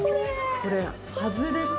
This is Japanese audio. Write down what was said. これ外れて。